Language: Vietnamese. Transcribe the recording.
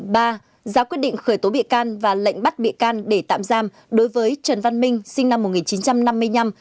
ba ra quyết định khởi tố bị can và lệnh bắt bị can để tạm giam đối với trần văn minh sinh năm một nghìn chín trăm năm mươi năm